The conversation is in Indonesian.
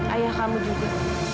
ayah kamu juga